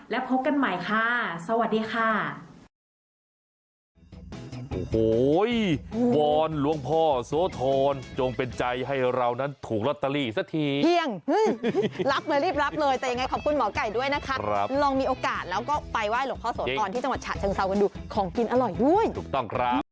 แล้วพบกันใหม่ค่ะสวัสดีค่ะ